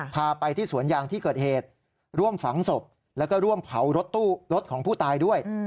พาไปที่สวนยางที่เกิดเหตุร่วมฝังศพแล้วก็ร่วมเผารถตู้รถของผู้ตายด้วย